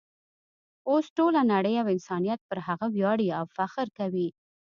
اوس ټوله نړۍ او انسانیت پر هغه ویاړي او فخر کوي.